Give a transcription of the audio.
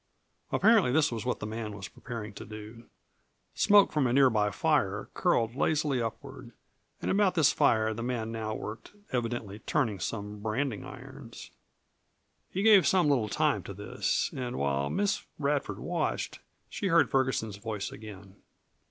Apparently this was what the man was preparing to do. Smoke from a nearby fire curled lazily upward, and about this fire the man now worked evidently turning some branding irons. He gave some little time to this, and while Miss Radford watched she heard Ferguson's voice again.